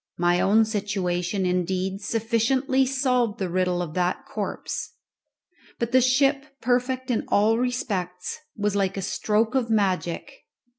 My own situation, indeed, sufficiently solved the riddle of that corpse. But the ship, perfect in all respects, was like a stroke of magic.